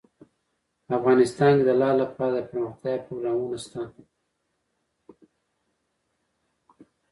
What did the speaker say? افغانستان کې د لعل لپاره دپرمختیا پروګرامونه شته.